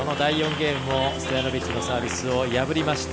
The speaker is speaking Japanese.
ゲームもストヤノビッチのサービスを破りました。